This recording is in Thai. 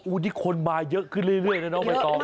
อู้วที่คนมาเยอะขึ้นเรื่อยนะน้องมายต้อง